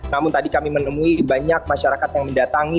namun tadi kami menemui banyak masyarakat yang mendatangi